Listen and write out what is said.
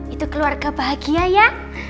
itu keluarga bahagia ya